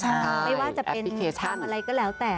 ไม่ว่าจะเป็นชามอะไรก็แล้วแต่